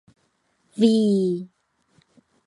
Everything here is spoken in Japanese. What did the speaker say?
ｖ